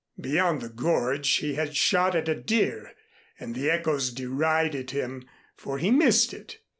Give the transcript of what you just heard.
Beyond the gorge he had a shot at a deer and the echoes derided him, for he missed it.